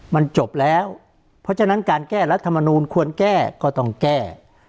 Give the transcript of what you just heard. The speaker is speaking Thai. มันจบแล้วเพราะฉะนั้นการแก้รัฐมนูลควรแก้ก็ต้องแก้